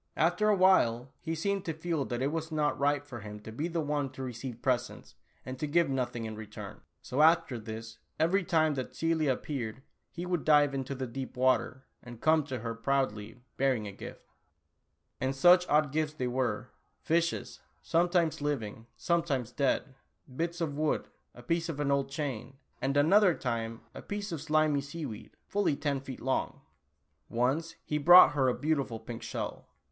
After a while he seemed to feel that it was not right for him to be the one to receive presents, and to give nothing in return, so after this, every time that Celia appeared he would dive into the deep water, and come to her proudly bearing a gift. And Tula Oolah. 41 such odd gifts they were : fishes, sometimes li\' ing, sometimes dead, bits of wood, a piece of an old chain, and another time a piece of sHmy sea weed, fully ten feet long. Once he brought her a beautiful pink shell.